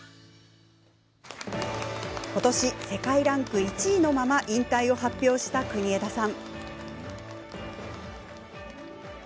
今年、世界ランク１位のまま引退を発表した国枝慎吾さん。